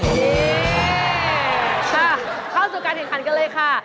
นี่เข้าสู่การแข่งขันกันเลยค่ะ